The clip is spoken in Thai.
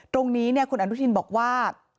ตรงนี้คุณอนุทินบอกว่า